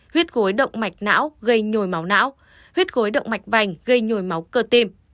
huyết gối động mạch não gây nhồi máu não huyết gối động mạch vành gây nhồi máu cơ tim